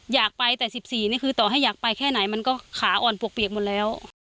อยากไปแต่๑๔นี่คือต่อให้อยากไปแค่ไหนมันก็ขาอ่อนปวกเปียกหมดแล้ว